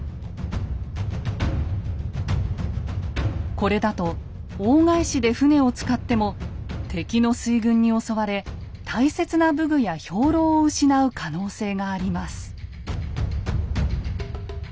これだと大返しで船を使っても敵の水軍に襲われ大切な武具や兵糧を失う可能性があります。